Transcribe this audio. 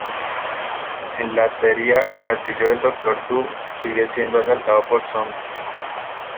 En Latveria, el castillo del Doctor Doom sigue siendo asaltado por zombies.